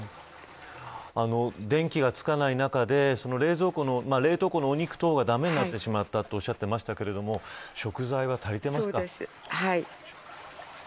電気がつかない中で冷凍庫のお肉などがだめになってしまったとおっしゃっていましたが食材は足りてますか。